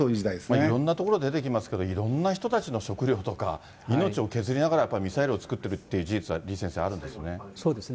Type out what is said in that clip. いろんなところで出てきますけど、いろんな人たちの食料とか、命を削りながらやっぱりミサイルを作っているという事実は李先生そうですね。